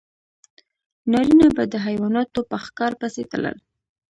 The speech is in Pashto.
نارینه به د حیواناتو په ښکار پسې تلل.